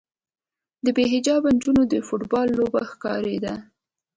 د بې حجابه نجونو د فوټبال لوبه ښکارېده.